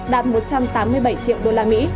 đạt một trăm tám mươi bảy triệu usd